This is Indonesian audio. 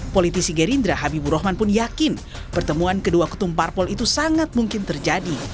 politisi gerindra habibur rahman pun yakin pertemuan kedua ketumparpol itu sangat mungkin terjadi